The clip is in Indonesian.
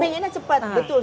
pengennya cepat betul